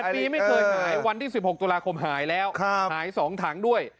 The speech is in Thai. ปีไม่เคยหายวันที่๑๖ตุลาคมหายแล้วหาย๒ถังด้วย